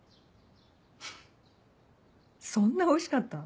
フッそんなおいしかった？